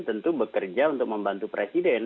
tentu bekerja untuk membantu presiden